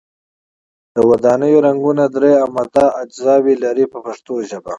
د ودانیو رنګونه درې عمده اجزاوې لري په پښتو ژبه.